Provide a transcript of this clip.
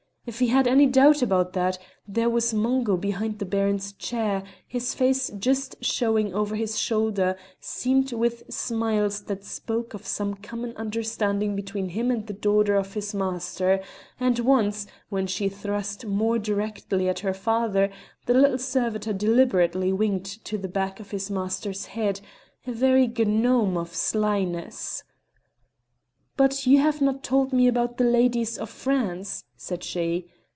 If he had any doubt about that, there was Mungo behind the Baron's chair, his face just showing over his shoulder, seamed with smiles that spoke of some common understanding between him and the daughter of his master; and once, when she thrust more directly at her father, the little servitor deliberately winked to the back of his master's head a very gnome of slyness. "But you have not told me about the ladies of France," said she.